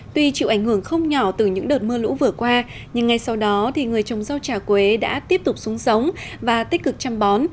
tuy chịu ảnh hưởng không nhỏ từ những đợt mưa lũ vừa qua nhưng ngay sau đó thì người trồng rau trà quế đã tiếp tục súng sống và tích cực chăm bón